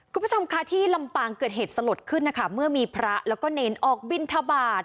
คุณผู้ชมค่ะที่ลำปางเกิดเหตุสลดขึ้นนะคะเมื่อมีพระแล้วก็เนรออกบินทบาท